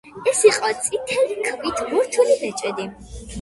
ეს იყო წითელი ქვით მორთული ბეჭედი.